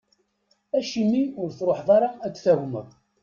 Acim i ur truḥeḍ ara ad d-tagmeḍ?